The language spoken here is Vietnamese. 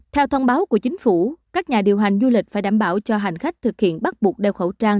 theo thông báo của chính phủ các nhà điều hành du lịch phải đảm bảo cho hành khách thực hiện bắt buộc đeo khẩu trang